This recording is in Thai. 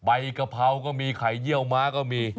กะเพราก็มีไข่เยี่ยวม้าก็มี